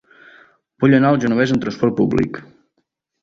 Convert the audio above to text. Vull anar al Genovés amb transport públic.